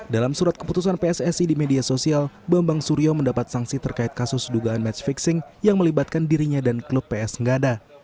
dalam surat keputusan pssi di media sosial bambang suryo mendapat sanksi terkait kasus dugaan match fixing yang melibatkan dirinya dan klub ps ngada